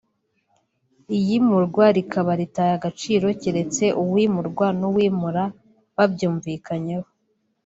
iyimurwa riba ritaye agaciro keretse uwimurwa n’uwimura babyumvikanyeho